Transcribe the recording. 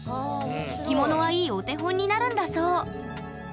着物はいいお手本になるんだそう。